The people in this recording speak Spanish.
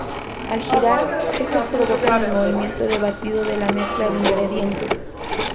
Al girar, estas provocan el movimiento de batido de la mezcla de ingredientes.